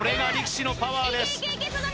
これが力士のパワーです